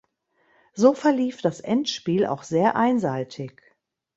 So verlief das Endspiel auch sehr einseitig.